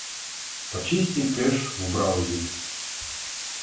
Почисти кеш в браузере.